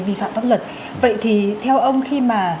vi phạm pháp luật vậy thì theo ông khi mà